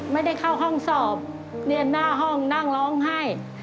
ไม่ได้เข้าห้องสอบเรียนหน้าห้องนั่งร้องไห้